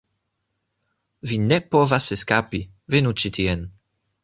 Vi ne povas eskapi, venu ĉi tien!